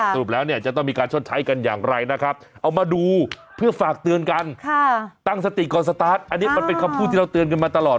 สรุปแล้วเนี่ยจะต้องมีการชดใช้กันอย่างไรนะครับเอามาดูเพื่อฝากเตือนกันตั้งสติก่อนสตาร์ทอันนี้มันเป็นคำพูดที่เราเตือนกันมาตลอด